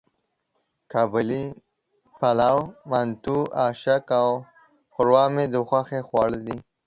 قابلي پلو، منتو، آشکې او ښوروا مې د خوښې خواړه دي.